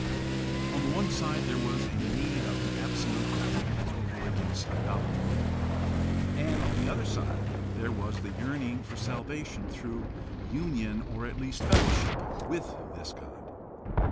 On the one side there was a need of an absolute God as over against idolatry; and on the other side there was the yearning for salvation through union or at least fellowship with this God.